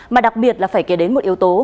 mà đặc biệt là phải kể đến một yếu tố